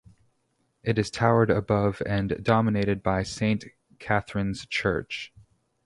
It is towered above and dominated by Saint Catherine's Church.